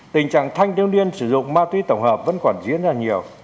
tình trạng thanh thiếu niên sử dụng ma túy tổng hợp vẫn còn diễn ra nhiều